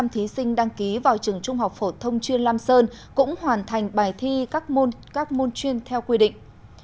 chín trăm linh thí sinh đăng ký vào trường trung học phổ thông chuyên lam sơn cũng hoàn thành bài thi các môn chuyên theo quy định